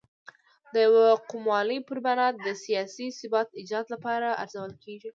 د یو قوموالۍ پر بنا د سیاسي ثبات ایجاد لپاره ارزول کېږي.